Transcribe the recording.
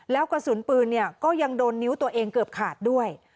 แล้วกระสุนปืนก็ยังโดนนิ้วตัวเองเกือบขาดด้วย